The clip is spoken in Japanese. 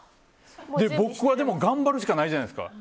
僕は、でも頑張るしかないじゃないですか。